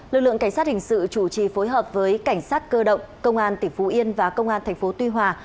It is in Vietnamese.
lực lượng cảnh sát hình sự chủ trì phối hợp với cảnh sát cơ động công an tỉnh phú yên và công an tp tuy hòa